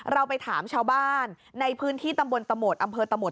เราไปถามขุมชาวบ้านในพื้นที่อำเวิร์ดตำบวนตะโมด